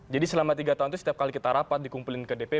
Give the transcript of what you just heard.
jadi selama tiga tahun itu setiap kali kita rapat dikumpulin ke dprk